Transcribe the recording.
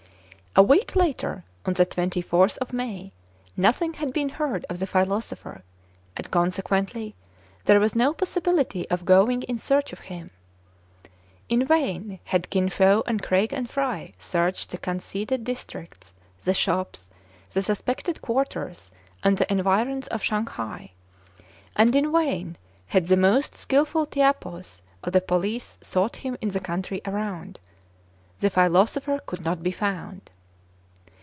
A week later, on the 24th of May, nothing had been heard of the philosopher ; and, consequently, there was no possibility of going in search of him. In vain had Kin Fo and Craig and Fry searched the conceded districts, the shops, the suspected quarters, and the environs of Shang hai ; and in vain had the most skilful tipaos of the police sought him in the country around. The philoso pher could not be found.